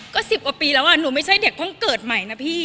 ก็๑๐กว่าปีแล้วหนูไม่ใช่เด็กเพิ่งเกิดใหม่นะพี่